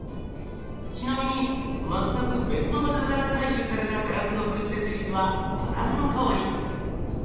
ちなみに全く別の場所から採取されたガラスの屈折率はご覧のとおり。